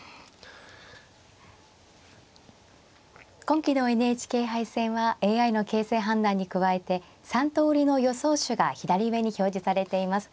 今期のＮＨＫ杯戦はＡＩの形勢判断に加えて３通りの予想手が左上に表示されています。